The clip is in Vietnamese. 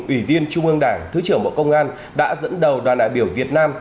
ủy viên trung ương đảng thứ trưởng bộ công an đã dẫn đầu đoàn đại biểu việt nam